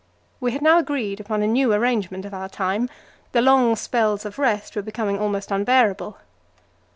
We had now agreed upon a new arrangement of our time; the long spells of rest were becoming almost unbearable.